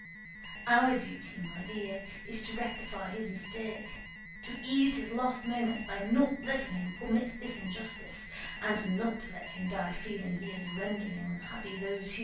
Our duty, my dear, is to rectify his mistake, to ease his last moments by not letting him commit this injustice, and not to let him die feeling that he is rendering unhappy those who..."